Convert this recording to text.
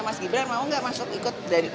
mas gibran mau nggak masuk ikut dalam tim pemerintah